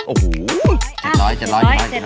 โอ้โห